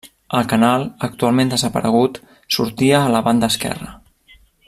El canal, actualment desaparegut, sortia a la banda esquerra.